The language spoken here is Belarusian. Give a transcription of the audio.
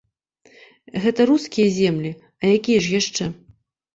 Гэта рускія землі, а якія ж яшчэ?